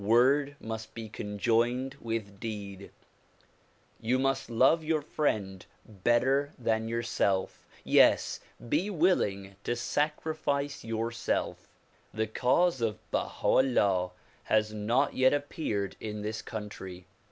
Word must be conjoined with deed. You must love your friend better than yourself ; yes be willing to sacrifice yourself. The cause of Baha 'Ullah has not yet appeared in this country.